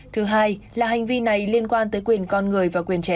thứ hai là hành vi này liên quan tới quyền con người